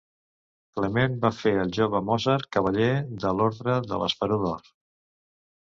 Clement va fer al jove Mozart cavaller de l'Ordre de l'Esperó d'Or.